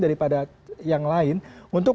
daripada yang lain untuk